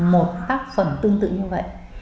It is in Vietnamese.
một tác phẩm tương tự như vậy